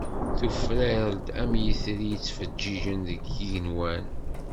Tufrar-d am yitri yettfeǧǧiǧen deg yigenwan.